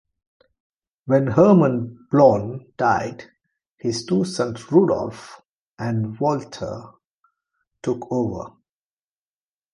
When Hermann Blohm died, his two sons Rudolf and Walther took over.